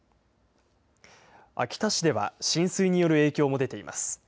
秋田市では浸水による影響も出ています。